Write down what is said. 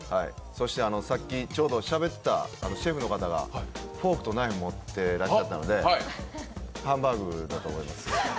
さっきちょうどしゃべったシェフの方がフォークとナイフ持っていたのでハンバーグだと思います。